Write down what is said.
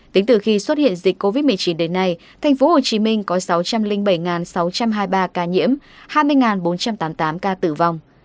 tính từ khi xuất hiện dịch covid một mươi chín đến nay tp hcm có sáu trăm linh bảy sáu trăm hai mươi ba ca nhiễm hai mươi bốn trăm tám mươi tám ca tử vong